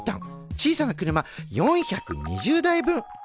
小さな車４２０台分。